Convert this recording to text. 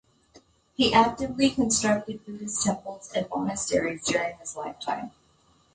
He actively constructed Buddhist temples and monasteries during his lifetime.